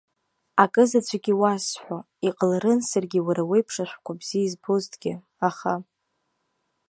Акы заҵәык иуасҳәо, иҟаларын, саргьы, уара уеиԥш, ашәҟәқәа бзиа избозҭгьы, аха.